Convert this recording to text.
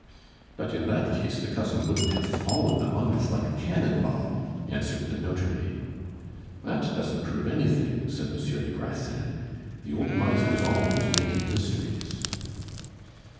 "But in that case the cousin wouldn't have fallen among us like a cannon ball," answered the notary. "That doesn't prove anything," said Monsieur des Grassins; "the old miser is always making mysteries."